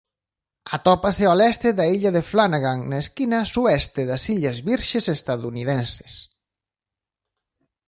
Atópase ao leste da illa Flanagan na esquina sueste das Illas Virxes Estadounidenses.